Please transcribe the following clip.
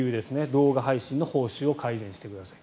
動画配信の報酬を改善してください。